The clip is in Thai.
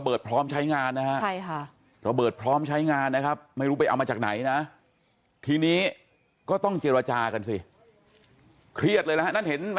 บอกท่านผู้ชมตรงนี้ก่อน